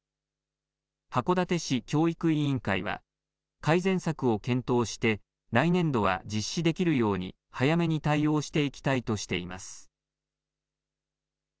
函館市教育委員会は改善策を検討して来年度は実施できるように早めに対応していきたいとしています。